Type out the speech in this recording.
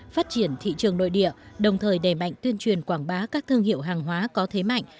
phát triển thị trường nội địa đồng thời đề mạnh tuyên truyền quảng bá các thương hiệu hàng hóa có thế mạnh